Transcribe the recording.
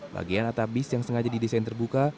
bagian atap bis yang sengaja didesain terbuka